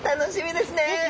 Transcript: ですね。